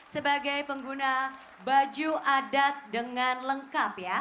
sebagai pengguna baju adat dengan lengkap ya